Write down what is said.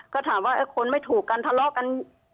ก็ถามว่าคนไม่ถูกกันทะเลาะกัน